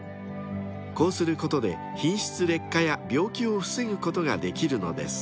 ［こうすることで品質劣化や病気を防ぐことができるのです］